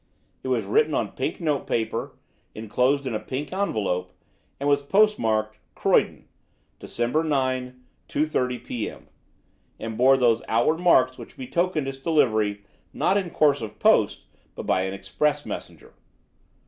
It was written on pink notepaper, enclosed in a pink envelope, and was postmarked "Croydon, December 9, 2.30 P.M.," and bore those outward marks which betokened its delivery, not in course of post, but by express messenger.